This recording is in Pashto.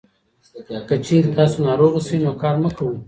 که چېرې تاسو ناروغه شئ، نو کار مه کوئ.